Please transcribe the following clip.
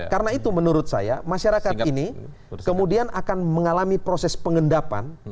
karena itu menurut saya masyarakat ini kemudian akan mengalami proses pengendapan